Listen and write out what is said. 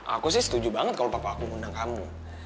aku sih setuju banget kalau papa aku ngundang kamu